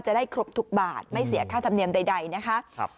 จะได้ครบทุกบาทไม่เสียค่าธรรมเนียมใดนะคะ